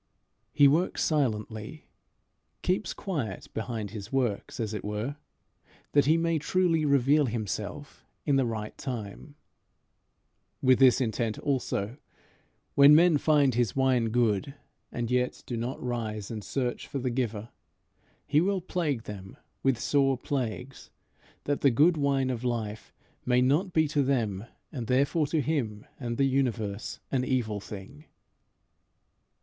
He works silently keeps quiet behind his works, as it were, that he may truly reveal himself in the right time. With this intent also, when men find his wine good and yet do not rise and search for the giver, he will plague them with sore plagues, that the good wine of life may not be to them, and therefore to him and the universe, an evil thing.